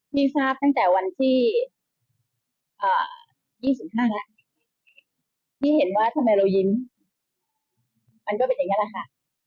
พี่ทราบตั้งแต่วันที่๒๕แล้วพี่เห็นว่าทำไมเรายิ้มมันก็เป็นอย่างนี้แหละค่ะ